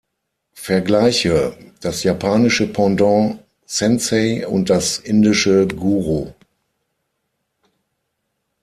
Vergleiche: das japanische Pendant „Sensei“ und das indische „Guru“.